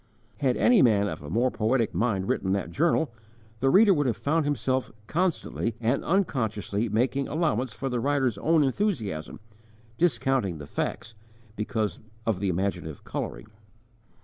Had any man of a more poetic mind written that journal, the reader would have found himself constantly and unconsciously making allowance for the writer's own enthusiasm, discounting the facts, because of the imaginative colouring.